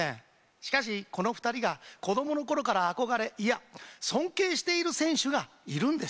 しかし、この２人が子供のころから憧れいや、尊敬している選手がいるんです。